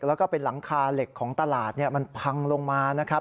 แล้วก็เป็นหลังคาเหล็กของตลาดมันพังลงมานะครับ